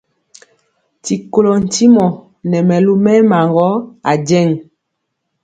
D@Ti kolɔ ntimɔ nɛ mɛlu mɛɛma gɔ ajeŋg.